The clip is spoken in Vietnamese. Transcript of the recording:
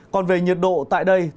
còn về nhiệt độ tại đây